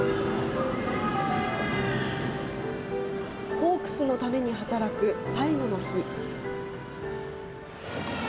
ホークスのために働く最後の日。